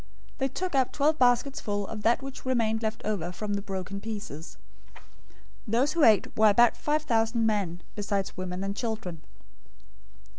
They took up twelve baskets full of that which remained left over from the broken pieces. 014:021 Those who ate were about five thousand men, besides women and children.